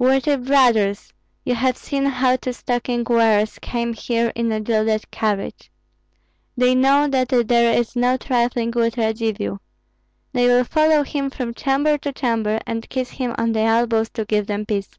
"Worthy brothers, you have seen how two stocking wearers came here in a gilded carriage. They know that there is no trifling with Radzivill. They will follow him from chamber to chamber, and kiss him on the elbows to give them peace.